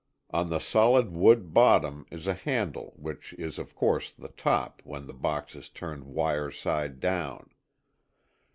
On the solid wood bottom is a handle which is of course the top, when the box is turned wire side down.